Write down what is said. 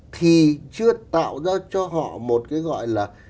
thì chưa tạo ra cho họ một cái gọi là